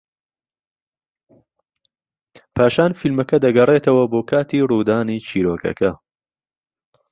پاشان فیلمەکە دەگەڕێتەوە بۆ کاتی ڕوودانی چیرۆکەکە